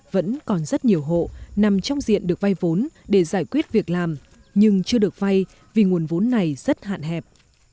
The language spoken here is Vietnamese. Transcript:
vẫn còn rất nhiều hộ nằm trong diện được vay vốn để giải quyết việc làm nhưng chưa được vay vì nguồn vốn này rất hạn hẹp